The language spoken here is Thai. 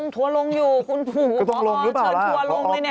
ถั่วลงอยู่คุณผู้ผอเชิญถั่วลงเลย